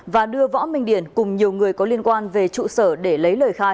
và đưa võ minh điển cùng nhiều người có liên quan về trụ sở để lấy lời khai